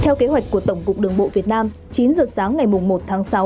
theo kế hoạch của tổng cục đường bộ việt nam chín giờ sáng ngày một tháng sáu